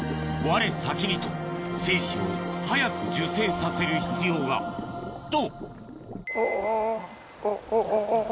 われ先にと精子を早く受精させる必要がと！